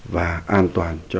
và an toàn cho người sản xuất